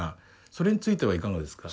それについてはいかがですか。